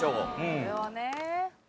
これはね。